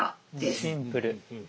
シンプル。